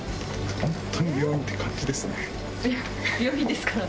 本当に病院って感じですね。